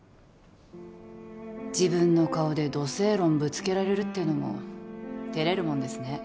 自分の顔でド正論ぶつけられるっていうのも照れるもんですね